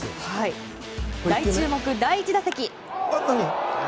大注目、第１打席。